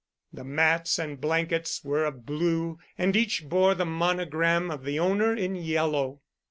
The mats and blankets were of blue, and each bore the monogram of the owner in yellow.